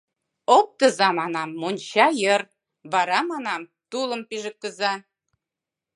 — Оптыза, манам, монча йыр, вара манам, тулым пижыктыза.